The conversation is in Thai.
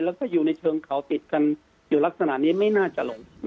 แล้วก็อยู่ในเชิงเขาติดกันอยู่ลักษณะนี้ไม่น่าจะหลง